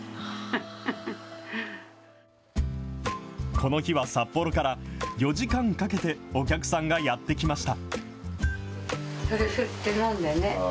この日は札幌から、４時間かけてお客さんがやって来ました。